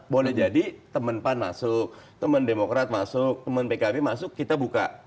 boleh jadi teman pan masuk teman demokrat masuk teman pkb masuk kita buka